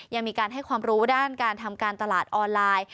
ยังมีการให้ความรู้ด้านการทำการตลาดออนไลน์